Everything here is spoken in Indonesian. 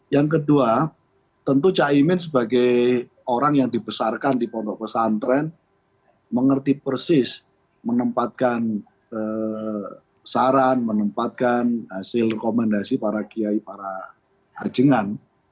yang kedua tentu caimin sebagai orang yang dibesarkan di pondok pesantren mengerti persis menempatkan saran menempatkan hasil rekomendasi para kiai para hajingan